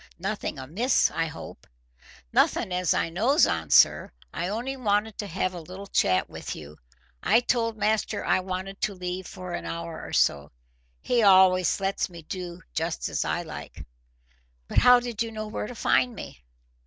"Nothing amiss, I hope?" "Nothing as I knows on, sir. I only wanted to have a little chat with you. I told master I wanted to leave for an hour or so. He allus lets me do just as I like." "But how did you know where to find me?"